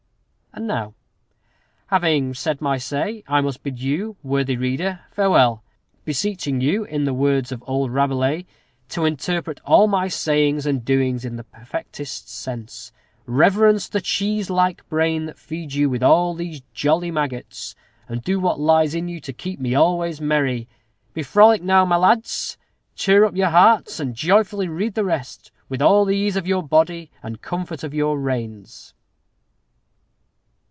And now, having said my say, I must bid you, worthy reader, farewell. Beseeching you, in the words of old Rabelais, "to interpret all my sayings and doings in the perfectest sense. Reverence the cheese like brain that feeds you with all these jolly maggots; and do what lies in you to keep me always merry. Be frolic now, my lads! Cheer up your hearts, and joyfully read the rest, with all ease of your body, and comfort of your reins."